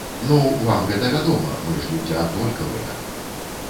Ну, вам гэта вядома, мы ж людзі аднолькавыя.